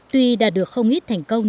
tuy đã được không ít thành công